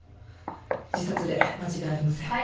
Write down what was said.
自殺で間違いありません。